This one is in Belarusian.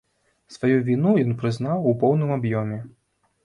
Сваю віну ён прызнаў у поўным аб'ёме.